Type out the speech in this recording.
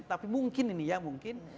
tapi mungkin ini ya mungkin